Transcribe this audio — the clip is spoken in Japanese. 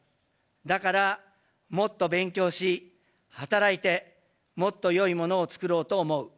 だから、もっと勉強し、働いて、もっとよいものを作ろうと思う。